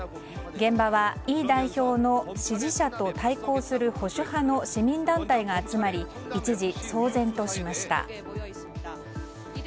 現場はイ代表の支持者と対抗する保守派の市民団体が集まり一時、騒然としました。